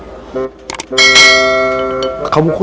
sudah akan keluar cerawat kali